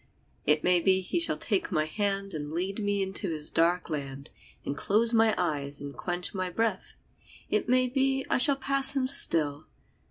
It may be he shall take my hand And lead me into his dark land And close my eyes and quench my breath It may be I shall pass him still.